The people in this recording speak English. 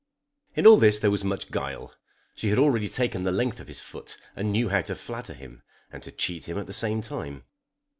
In all this there was much guile. She had already taken the length of his foot, and knew how to flatter him, and to cheat him at the same time.